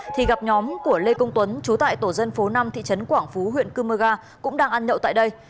thì gặp nhóm của lê công tuấn chú tại tổ dân phố năm thị trấn quảng phú huyện cư mơ ga cũng đang ăn nhậu tại đây